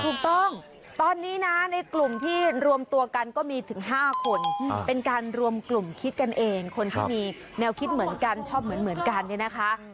ถูกต้องตอนนี้นะในกลุ่มที่รวมตัวกันก็มีถึง๕คนเป็นการรวมกลุ่มคิดกันเองคนที่มีแนวคิดเหมือนกันชอบเหมือนกันเนี่ยนะคะ